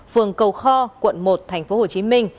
phường cầu kho quận một tp hcm